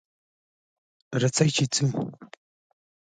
راځئ چې ځو